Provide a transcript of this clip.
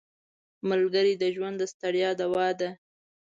ملګری د ژوند د ستړیا دوا ده